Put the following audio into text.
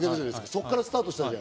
そこからスタートした。